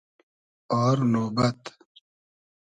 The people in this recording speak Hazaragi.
آر نۉبئد